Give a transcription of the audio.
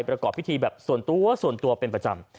ประกอบพิธีแบบส่วนตัวส่วนตัวเป็นประจำ